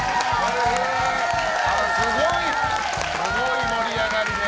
すごい盛り上がりで。